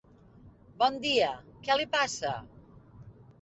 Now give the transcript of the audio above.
Bon dia, què li passa?